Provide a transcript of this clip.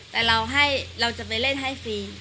แต่เราจะไปเล่นให้ฟรี